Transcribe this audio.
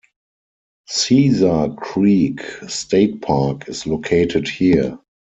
Caesar Creek State Park is located here.